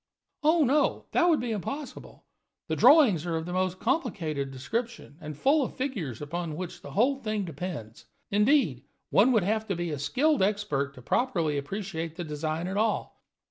"Oh, no, that would be impossible. The drawings are of the most complicated description, and full of figures upon which the whole thing depends. Indeed, one would have to be a skilled expert to properly appreciate the design at all.